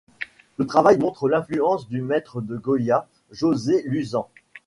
Le travail montre l'influence du maître de Goya, José Luzán.